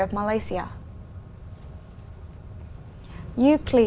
cảm ơn các quý vị